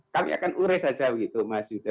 kami akan ures aja gitu mas yuda